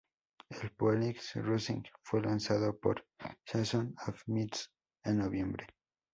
El Phoenix Rising fue lanzado por Season of Mist, en noviembre.